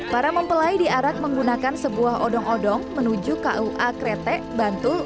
para mempelai diarak menggunakan sebuah odong odong menuju kua kretek bantul